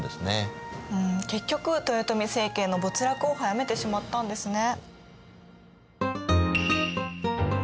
うん結局豊臣政権の没落を早めてしまったんですね。